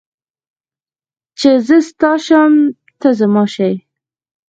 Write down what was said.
چې زه ستا شم ته زما شې